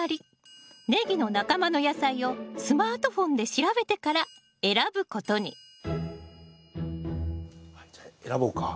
ネギの仲間の野菜をスマートフォンで調べてから選ぶことにじゃあ選ぼうか。